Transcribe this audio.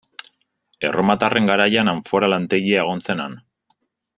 Erromatarren garaian anfora lantegia egon zen han.